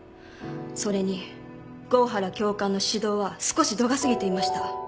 それに郷原教官の指導は少し度が過ぎていました。